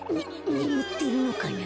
ねむってるのかな。